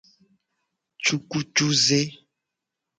Cukucuze.